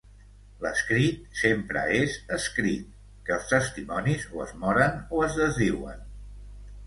L'escrit sempre és escrit, que els testimonis o es moren o es desdiuen.